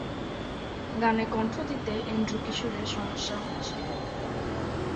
গানে কন্ঠ দিতে এন্ড্রু কিশোরের সমস্যা হচ্ছিল।